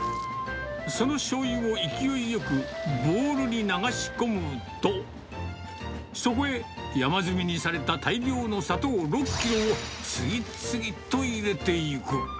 そのしょうゆを勢いよくボウルに流し込むと、そこへ山積みにされた大量の砂糖６キロを次々と入れていく。